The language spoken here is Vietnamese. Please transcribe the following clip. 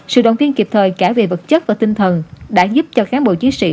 sự động viên kịp thời cả về vật chất và tinh thần đã giúp cho cán bộ chiến sĩ